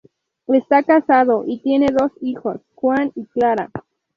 Está casado y tiene dos hijos, Juan y Clara.